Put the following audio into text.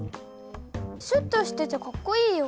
シュッとしててかっこいいよ。